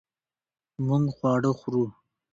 مونږ خواړه خورو